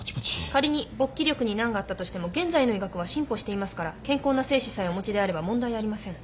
仮に勃起力に難があったとしても現在の医学は進歩していますから健康な精子さえお持ちであれば問題ありません。